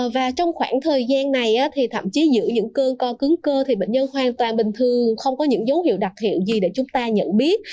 và trong khoảng thời gian này thì thậm chí giữa những cơn co cứng cơ thì bệnh nhân hoàn toàn bình thường không có những dấu hiệu đặc hiệu gì để chúng ta nhận biết